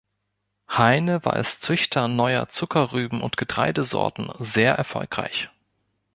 Heine war als Züchter neuer Zuckerrüben- und Getreidesorten sehr erfolgreich.